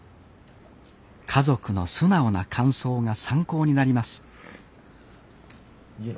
家族の素直な感想が参考になります